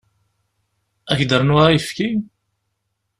Ad ak-d-rnuɣ ayefki?